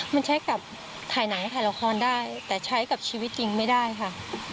มันใช้กับถ่ายหนังถ่ายละครได้แต่ใช้กับชีวิตจริงไม่ได้ค่ะ